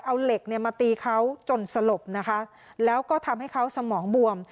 เอาเหล็กเนี่ยมาตีเขาจนสลบนะคะแล้วก็ทำให้เขาสมองบวม